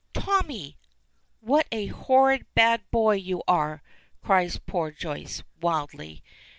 "Tommy! What a horrid, bad boy you are!" cries poor Joyce, wildly.